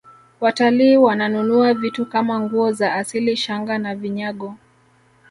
watalii wananunua vitu Kama nguo za asili shanga na vinyago